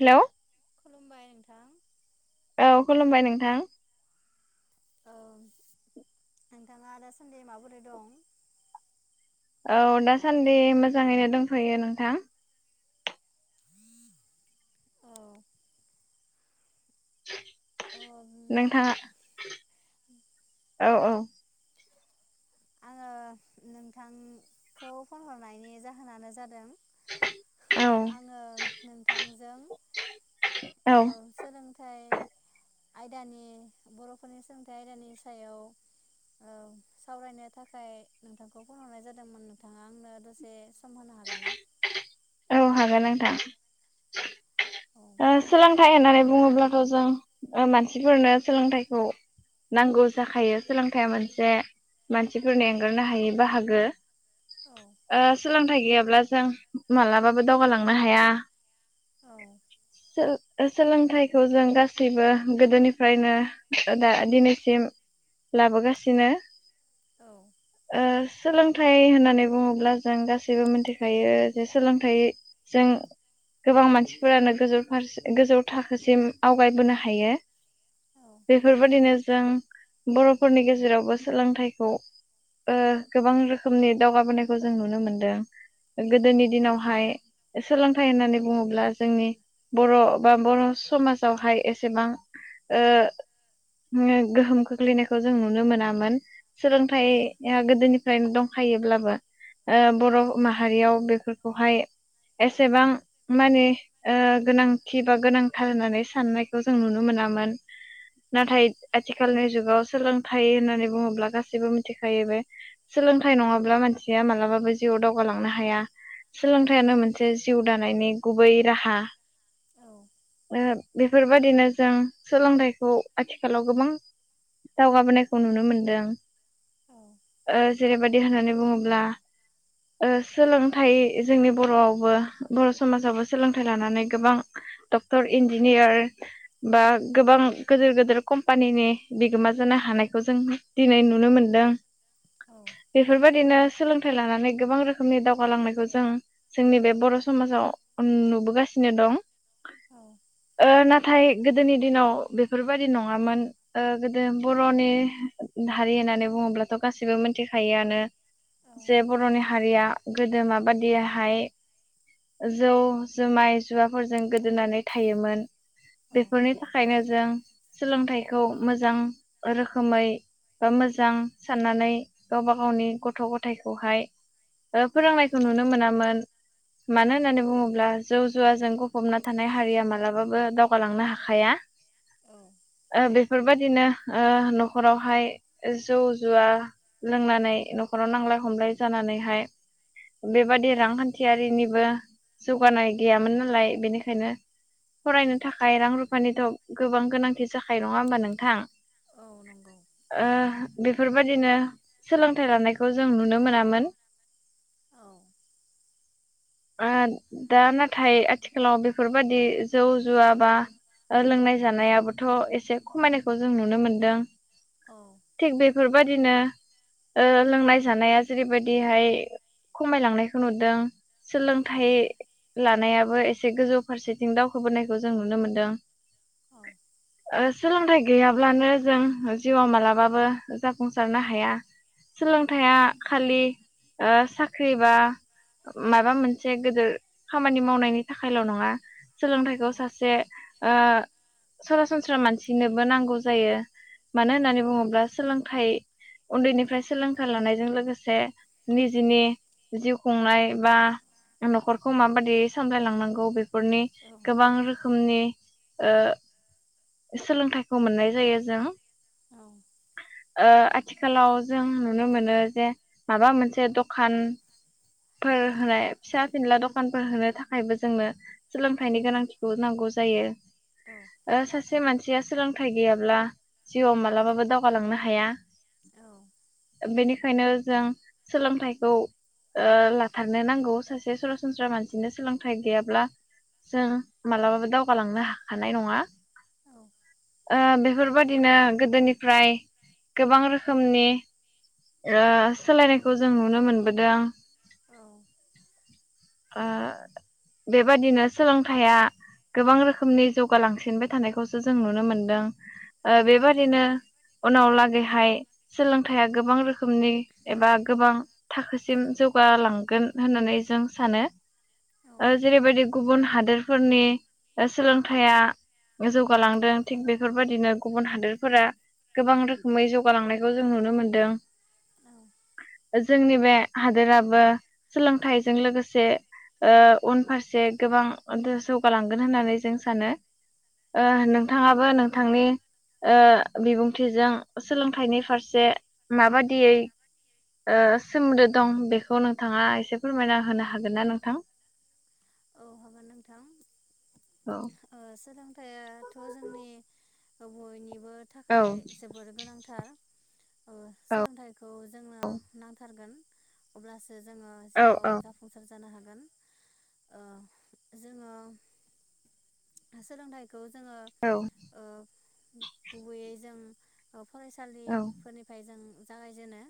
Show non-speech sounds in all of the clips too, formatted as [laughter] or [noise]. Hello खुलुमबाय नोंथां। औ खुलुमबाय नोंथां। औ नोंथाङा दासान्दि माबोरै दं? औ दासान्दि मोजाङैनो दंथ'यो नोंथां। अ मा नोंथाङा औ औ आङो नोंथांखौ फन हरनायनि जाहोनानो जादों। औ आङो नोंथांजों औ ओ सोलोंथाइ आयदानि बर'फोरनि सोलोंथाइ आयदानि सायाव ओ सावरायनो थाखाय नोंथांखौ फन हरनाय जादोंमोन नोंथाङा आंनो दसे सम होनो हागोन ना? ओ नोंथां। औ ओ सोलोंथाइ होननानै बुङोब्लाथ' जों ओ मानसिफोरनो सोलोंथाइखौ नांगौ जाखायो। सोलोंथाइया मोनसे मानसिफोरनि एंगारनो हायै बाहागो। औ ओ सोलोंथाइ गैयाब्ला जों मालाबाबो दावगालांनो हाया। औ सो सोलोंथाइखौ जों गासैबो गोदोनिफ्रायनो दा दिनैसिम लाबोगासिनो। ओ सोलोंथाइ होननानै बुङोब्ला जों गासैबो मिथिखायो जे सोलोंथाइ जों गोबां मानसिफोरानो गोजौ फारसे गोजौ थाखोसिम आवगायबोनो हायो। औ बेफोरबादिनो जों बर'फोरनि गेजेरावबो सोलोंथाइखौ ओ गोबां रोखोमनि दावगाबोनायखौ जों नुनो मोनदों। औ गोदोनि दिनावहाय सोलोंथाइ होननानै बुङोब्ला जोंनि बर' बा बर' समाजावहाय एसेबां ओ हो गोहोम खोख्लैनायखौ जों नुनो मोनामोन औ सोलोंथाइया गोदोनिफ्रायनो दंखायोब्लाबो बर' औ माहारियाव बेफोर खौहाय एसेबां माने ओ गोनांथि बा गोनांथार होननानै साननायखौ जों नुनो मोनामोन। औ नाथाय आथिखालनि जुगाव सोलोंथाइ होननानै बुङोब्ला गासैबो मिथिखायो बे सोलोंथाइ नङाब्ला मानसिया मालाबाबो जिउआव दावगालांनो हाया। औ सोलोंथायाइयानो मोनसे जि जिउ दानायनि गुबै राहा बेफोरबादिनो जों सोलोंथाइखौ आथिखालाव गोबां दावगाबोनायखौ नुनो मोनदों। औ ओ जेरैबायदि होननानै बुङोब्ला सोलोंथाइ जोंनि बर'आवबो बर' समाजावबो सोलोंथाइ लानानै गोबां डक्टर इन्जिनियार बा गोबां गिदिर गिदिर कम्पानिनि बिगोमा जानो हानायखौ जों दिनै नुनो मोनदों। बेफोरबायदिनो सोलोंथाइ लानानै गोबां रोखोमनि दावगालांनायखौ जों जोंनि बे बर' समाजाव नुबोगासिनो नाथाय गोदोनि दिनाव बेफोरबादि नङामोन गोदो बर'नि हारि होननानै बुङोब्लाथ' गाससिबो मिथिखायोआनो जे बर'नि हारिया गोदो माबादिहाय जौ जुमाय जुवाफोरजों गोदोनानै थायोमोन। बेफोरनि थाखायनो जों सोलोंथाइखौ मोजां रोखोमै बा मोजां साननानै गावबा गावनि गथ' गथायखौहाय फोरोंनायखौ नुनो मोनामोन। औ मानो होननानै बुङोब्ला जौ जुवाजों गफबना थानाय हारिया मालाबाबो दावगालांनो हाखाया। ओ बे बेफोरबायदिनो न'खरावहाय जौ जुवा लोंनानै न'खराव नांलाय खमलाय जानानैहाय बेबादि रांखान्थियारिनिबो जौगानाय गैयामोन नालाय बेनिखायनो फरायनो थाखाय रां रुफानिथ' गोबां गोनांथि जाखानाय नङा होमबा नोंथां? औ नंगौ ओ बेफोरबादिनो सोलोंथाइ लानायखौ जों नुनो मोनामोन। औ ओ दा ना नाथाय आथिखालाव बेफोरबायाददि जौ जुवा बा लोंनाय जानायाबोथ' एसे खमायनायखौ जों नुनो मोनदों। औ थिक बे बेफोरबायदिनो लोंनाय जानाया जेरैबायदिहाय खमायलांनायखौ नुदों औ सोलोंथाइ लानायाबो एसे गोजौ फारसेथिं दावखोबोनायखौ जों नुनो मोनदों। सोलोंथाइ गैयाब्लानो जों जिउआव मालाबाबो जाफुंसारनो हाया। औ सोलोंथाया खालि साख्रि बा माबा मोनसे गिदिर खामानि मावनायनि थाखायल' नङा सोलोंथाइखौ सासे सरासनस्रा मानसिनोबो नांगौ जायो। मानो औ होननानै बुङोब्ला औ सोलों थाइ उन्दैनिफ्राय सोलोंथाइ लानायजों लोगोसे निजेनि जिउ खुंनाय बा न'खर खौ माबादि सामलायलांनांगौ बे फोरनि गोबां रोखोम रोखोमनि सोलोंथाइखौ मोननाय जायो जों ओ आथिखालाव जों नुनो मोनो जे माबा मोनसे दखान फोर होनाय फिसा फिनला दखान दखानफोर होनो थाखायबो जोंनो सोलोंथाइनि गोनांथिखौ नांगौ। जायो। सासे मानसि सासेया सोलोंथाइ गैयाब्ला जिउआव मालाबाबो दावगालांनो हाया। बेनिखायनो जों सोलोंथाइखौ ओ लाथारनो नांगौ सासे सरासन सनस्रा मानसिनो सोलोंथाइ गैयाब्ला जों मालाबाबो दावगालांनो हानाय नङा ओ बेफोरबादिनो गोदोनिफ्राय गोबां रोखोमनि ओ सोलायनायखौ जों नुनो मोनबोदों। औ ओ बेबादिनो सोलोंथाइया गोबां रोखोमनि जौगालांसिनबाय थानायखौसो जों नुनो मोनदों ओ बेबादिनो उनाव लागैहाय सोलोंथाइया गोबां रोखोमनि एबा गोबां थाखोसिम जौगालांगोन होननानै जों सानो ओ जेरैबायदि गुबुन हादोरफोरनि सोलोंथाइया जौगालांदों थिग बेफोरबायदिनो गुबुन हादोरफोरा गोबां रोखोमै जौगालांनायखौ जों नुनो मोनदों औ जोंनि बे हादोराबो सोलोंथाइजों लोगोसे से ओ उनफारसे गोबां जौगालांगोन होननानै जों सानो ओ औ नोंथाङाबो नोंथांनि ओ बिबुंथिजों सोलोंथाइनि फारसे माबादियै ओ सोमोन्दो दं बेखौ नोंथाङा एसे फोरमायना होनो हाग हागोन ना नोंथां? औ हागोन नोंथां औ ओ सोलों थाइयाथ' जोंनि बयनिब बो औ थाखाय जोबोर गोनांथार। ओ औ सोलोंथाइखौ जोंनो नांथारगोन अब्लास जोङो औ औ जिउआव जाफुंसार जानो हागो गोन ओ जोङो सोलोंथाइ खौ जोङो ओ गुबैयै जों फरायसालि फोरनिफ्राय जों जागायजेनो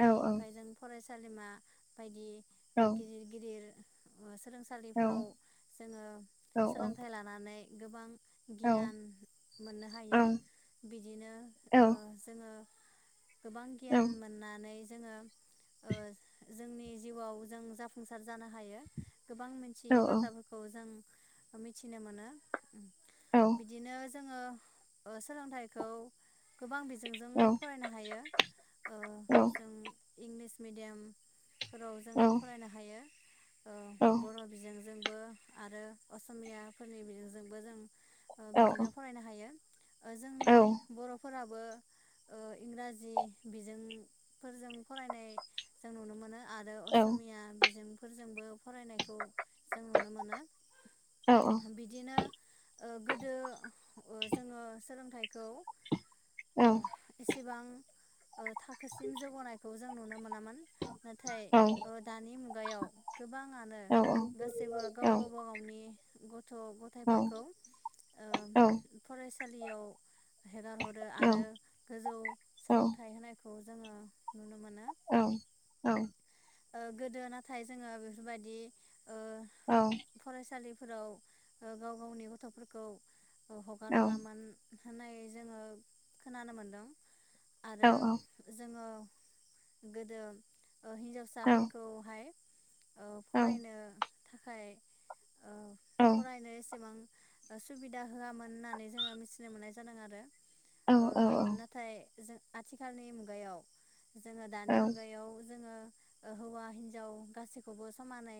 औ जों फरायस सालिमा बायदि औ गिदिर गिदिर ओ सोलोंसालिफोराव जोङो औ सोलोंथाइ लानानै गोबां औ गियान मोननो हायो बिदिनो औ ओ जोङो गोबां गियान औ मोननानै जोङो ओ जोंनि जिउआव जों जाफुंसार जानो हायो। गोबां मोनथियि बाथ्राफोरखौ जों आ मिथिनो मानो बिदिनो जोङो सोलोंथाइखौ गोबां बिजों जोंजों फरायनो हायो ओ जों इंलिस मिडियाम फोराव जों फरायनो हायो। औ बर' बिजोंजों बो आरो असमियाफोरनिनिजोंबो जों ओ बिदिनो फरायनो हायो। जोंनि बर'फोराब बो ओ इंराजि बिजों फोरजों फरायनाय जों नुनो मोनो आरो असमिया बेजों फोरजोंबो फरायनायखौ जों नुनो मोनो बिदिनो ओ गोदो ओ जोङो सोलोंथाइखौ ओ एसेबां ओ थाखोसिम जौगानायखौ जों नुनो मोनामोन। नाथाय ओ दानि मुगायाव गोबाङानो गासैबो गाव गावबा गावनि गथ' गथायफोरखौ फरायसालियाव हेगारहरो आरो गोजौ सोलोंथाइ होनायखौ खौ जोङो नुनो मोनो। औ औ ओ गोदो नाथाय जोङो बे बेफोरबायदि औ फोराव ओ गाव गावनि गथ'फोरखौ हगार औ हरामोन होननायै जोङो खोनानो मोनदों। औ आरो जोङो गोदो ओ औ हिन्जावसाफोरखौहाय ओ औ फरायनो थाखाय ओ फरायनाय एसेबां ओ सुबिदा होआमोन होननानै जोङो मिथिनो मोननाय जादों आरो। औ ओ औ नाथाय जों आथिखालनि मुगायाव जोङो औ दानि मुगायाव जोङो ओ हौवा हिनजाव गासैख खौबो समानै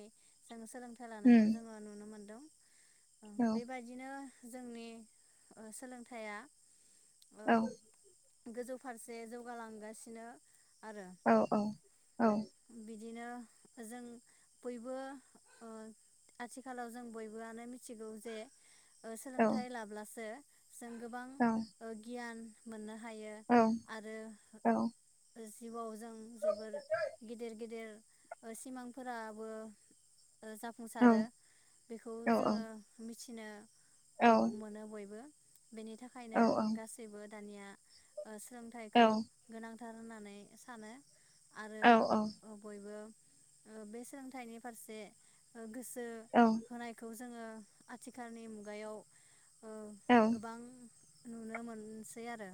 जों सोलोंथाइ उम लानायखौ जोङो नुनो मोनदों। ओ औ बेबायदिनो जोंनि ओ सोलोंथाइया ओ औ। गोजौ फारसे जौगालांगासिनो। आरो। औ औ बिदिनो जों बयबो ओ आथिखालाव जों बयबोआनो मिथिगौ जे ओ औ सोलोंथाइ लाब्लासो जों गोबां ओ गियान मोननो हायो आरो जो जिउआव जों जोबोर गिदिर गिदिर ओ सिमांफोराबो ओ औ जाफुंसारो बेखौ जोङो मिथि नो ओ मोनो बयबो। बेनि थाखायनो गासैबो। दानिया ओ सोलोंथाइखौ गोनां थार होननानै सानो। आरो अ बयबो ओ बे सोलोंथाइनि फारसे ओ गोस‌ सो औ होनायखौ जो जोङो आथिखालनि मुगायाव। औ गोबां नुनो मोनसै आरो।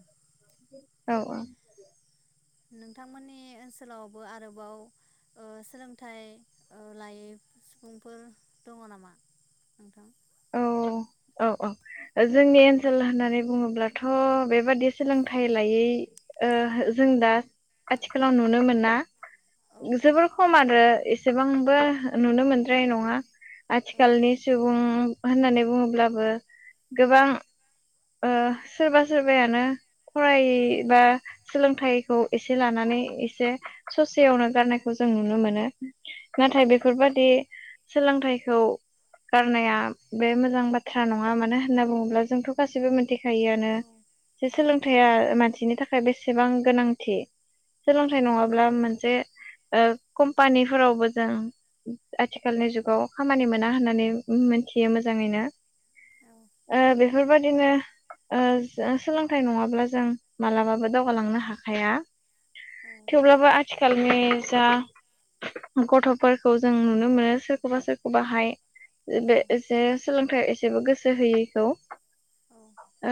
औ ओ नोंथांमोननि ओनसोलावबो आरोबाव ओ सोलोंथाइ ओ लायै सुबुंफोर दङ नामा नोंथां? औ औ औ औ जोंनि ओनसोल होननानै बुङोब्लाथ' बेबादि सोलोंथाइ लायै ओ जों दा आथिखालाव नुनो मोना औ जोबोर खम आरो एसेबांबो नुनो मोनद्राय नङा। औ आथिखालनि सुबुं होननानै बुङोब्लाबो गोबां ओ सोरबा सोरबायानो फराय औ बा सोलोंथायखौ एसे लानानै एसे ससेयावनो गारनायखौ जों नुनो मोनो औ नाथाय बेफोरबादि सोलोंथायखौ गारनाया बे मोजां बाथ्रा नङा मानो होनना बुङोब्ला जोंथ' गासिबो मोनथिखायोआनो औ जे औ सोलोंथाया मानसिनि थाखाय बेसेबां गोनांथि औ सोलोंथाइ नङाब्ला मोनसे ओ कम्पानिफोरावबो जों आथिखालनि जुगाव खामानि मोना होननानै मोनथियो मोजाङैनो औ ओ बेफोरबायदिनो ओ सोलोंथाय नङाब्ला जों मालाबाबो दावगालांनो हाखाया औ थेवब्लाबो आथिखालनि जा गथ'फोरखौ जों नुनो मोनो सोरखौबा सोरखौबाहाय बे जे सोलोंथायाव एसेबो गोसो होयैखौ औ ओ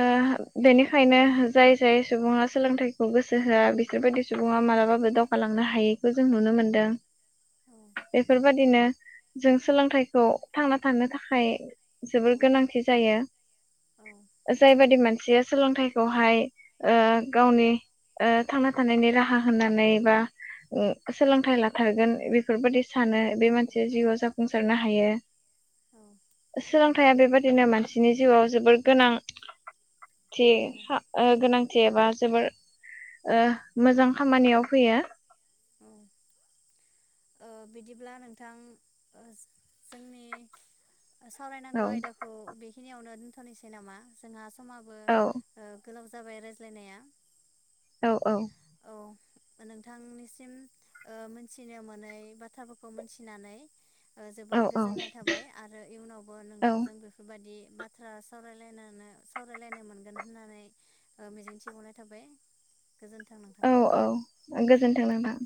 बेनिखायनो जाय जाय सुबुङा सोलोंथाइखौ गोसो होआ बिसोरबायदि सुबुङा मालाबाबो दावगालांनो हायैखौ जों नुनो मोनदों बेफोरबादिनो जों सोलोंथाइखौ थांना थानो थाखाय जोबोर गोनांथि जायो जायबादि मानसिया सोलोंथायखौहाय ओ गावनि ओ थांना थानायनि राहा होननानै बा सोलोंथाय लाथारगोन बेफोरबादि सानो बे मानसिया जिउआव जाफुंसारनो हायो। [inaudible] सोलोंथाया बेबादिनो मानसिनि जिउआव जोबोर गोनां [unintelligible] जोबोर ओ मोजां खामानियाव फैयो औ ओ बिदिब्ला नोंथां जोंनि औ सावरायनांगौ आयदाखौ बेखिनियावनो दोनथनिसै नामा जोंहा समाबो औ गोलाव जाबाय रायज्लायनाया औ औ औ नोंथांनिसिम ओ मोनथिनो मोनै बाथ्राफोरखौ मोनथिनानै ओ औ जोबोर गोजोननाय औ थाबाय आरो इयुनावबो नोंथांजों औ बेफोरबादि बाथ्रा सावरायलायनानै सावरायलायनो मोनगोन होननानै मिजिंथिबावनाय थाबाय गोजोन्थों। नोंथां। औ औ गोजोनथों नोंथां